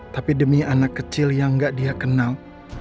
tapi demi anak kecil yang gak dia kenal